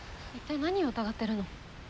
一体何を疑ってるの？